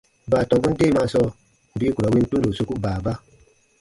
Baatɔmbun deemaa sɔɔ bii ku ra win tundo soku baaba.